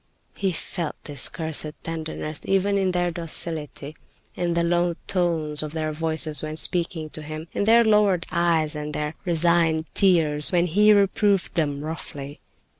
He felt this cursed tenderness, even in their docility, in the low tones of their voices when speaking to him, in their lowered eyes, and in their resigned tears when he reproved them roughly.